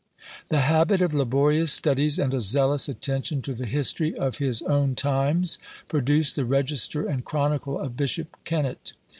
The habit of laborious studies, and a zealous attention to the history of his own times, produced the Register and Chronicle of Bishop Kennett.